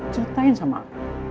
ceritain sama aku